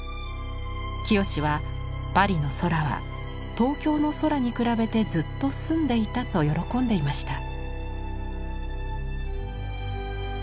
清は「パリの空は東京の空に比べてずっと澄んでいた」と喜んでいました。